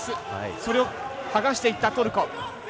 それをはがしていったトルコ。